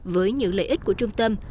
với những lợi ích của trung tâm